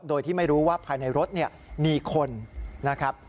โดยที่ไม่รู้ว่าภายในรถมีคนนะครับ